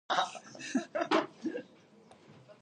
These events caused a decline in the economy of Delta Junction.